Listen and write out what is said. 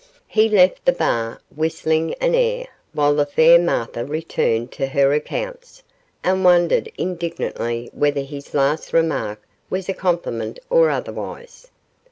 He left the bar, whistling an air, while the fair Martha returned to her accounts, and wondered indignantly whether his last remark was a compliment or otherwise.